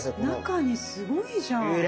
中にすごいじゃん。